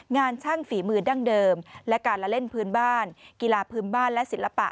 ช่างฝีมือดั้งเดิมและการละเล่นพื้นบ้านกีฬาพื้นบ้านและศิลปะ